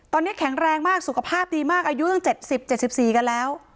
ตอนนี้แข็งแรงมากสุขภาพดีมากอายุตั้ง๗๐๗๔กันแล้ว